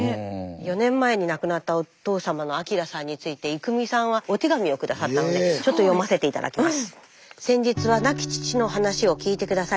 ４年前に亡くなったお父様の昭さんについて郁美さんはお手紙を下さったのでちょっと読ませて頂きます。